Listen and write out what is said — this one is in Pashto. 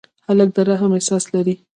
هلک د رحم احساس لري.